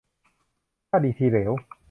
ท่าดีทีเหลว